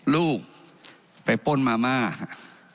ลูกไปป้นมาม่าครับ